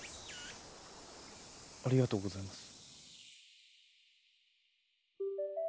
ありがとうございます。